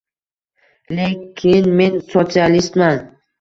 Lekin men sotsialistman.